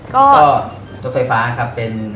ก็รถไฟฟ้าครับเป็น